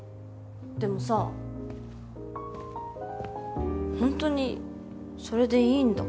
でもさホントにそれでいいんだかなあ？